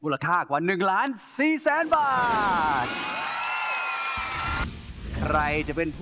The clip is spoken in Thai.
มูลค่ากว่า๑๔๐๐๐๐๐บาท